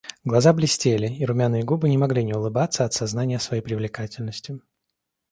Глаза блестели, и румяные губы не могли не улыбаться от сознания своей привлекательности.